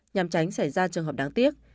nhằm tránh xảy ra trường hợp đáng tiếc